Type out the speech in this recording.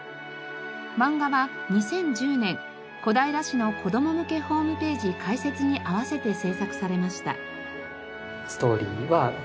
漫画は２０１０年小平市の子供向けホームページ開設に合わせて制作されました。